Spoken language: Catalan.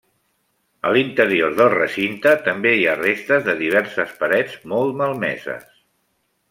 A l'interior del recinte també hi ha restes de diverses parets molt malmeses.